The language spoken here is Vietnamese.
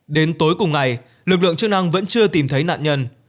đến tối cùng ngày lực lượng chức năng vẫn chưa tìm thấy nạn nhân